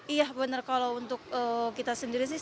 iya benar kalau untuk kita sendiri sih